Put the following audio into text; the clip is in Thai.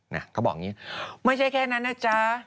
เขาบอกอย่างนี้ไม่ใช่แค่นั้นนะจ๊ะ